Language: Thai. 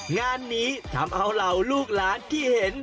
งานนี้ทำเอาเหล่าลูกหลานที่เห็น